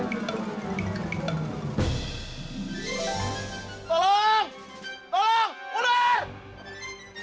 gimana pak rt ulernya